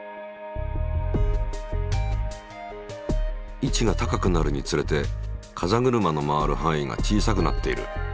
位置が高くなるにつれて風車の回る範囲が小さくなっている。